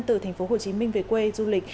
từ tp hcm về quê du lịch